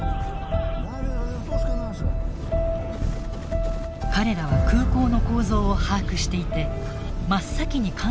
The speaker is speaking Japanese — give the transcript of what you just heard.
彼らは空港の構造を把握していて真っ先に管制塔を占拠しました。